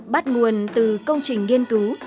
bắt nguồn từ công trình nghiên cứu